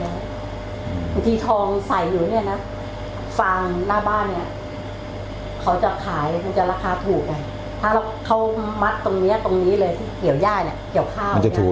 บางทีทองใส่อยู่ฟางหน้าบ้านเขาจะขายมันจะราคาถูก